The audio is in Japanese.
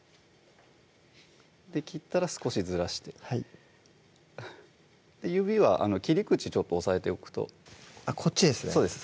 切ったら少しずらしてはい指は切り口ちょっと押さえておくとこっちですね